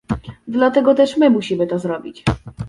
Dlatego też my musimy to zrobić